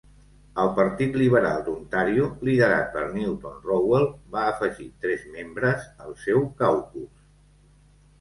El partit liberal d'Ontàrio, liderat per Newton Rowell, va afegir tres membres al seu caucus.